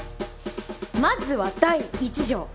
まずは第１条。